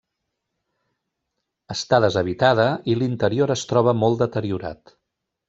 Està deshabitada i l'interior es troba molt deteriorat.